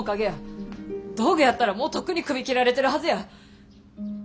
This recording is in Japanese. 道具やったらもうとっくに首切られてるはずや。